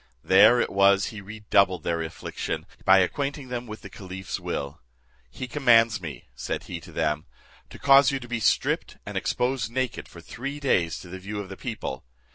There it was he redoubled their affliction, by acquainting them with the caliph's will. "He commands me," said he to them, "to cause you to be stripped, and exposed naked for three days to the view of the people.